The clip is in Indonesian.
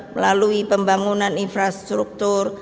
melalui pembangunan infrastruktur